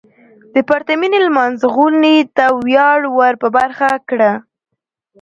د پرتمينې لمانځغونډې ته وياړ ور په برخه کړه .